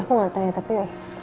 aku gak tau ya tapi